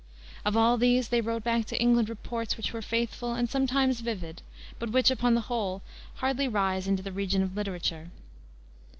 Of all these they wrote back to England reports which were faithful and sometimes vivid, but which, upon the whole, hardly rise into the region of literature.